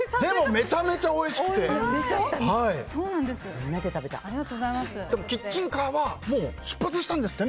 めちゃめちゃおいしくて。